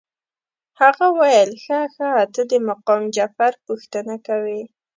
هغه ویل ښه ښه ته د مقام جعفر پوښتنه کوې.